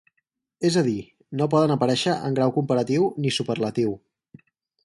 És a dir, no poden aparèixer en grau comparatiu ni superlatiu.